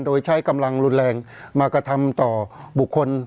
เพราะฉะนั้นประชาธิปไตยเนี่ยคือการยอมรับความเห็นที่แตกต่าง